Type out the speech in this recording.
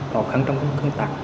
khó khăn trong các công tác